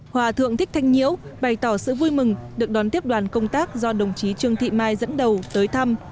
hòa thượng thích thanh nhiễu bày tỏ sự vui mừng được đón tiếp đoàn công tác do đồng chí trương thị mai dẫn đầu tới thăm